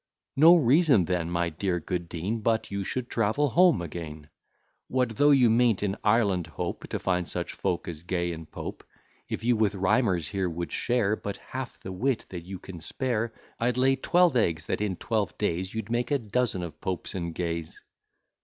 No reason then, my dear good Dean, But you should travel home again. What though you mayn't in Ireland hope To find such folk as Gay and Pope; If you with rhymers here would share But half the wit that you can spare, I'd lay twelve eggs, that in twelve days, You'd make a dozen of Popes and Gays.